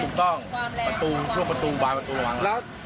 เด็กต่องประตูช่วงประตูประตูระหว่างหลัก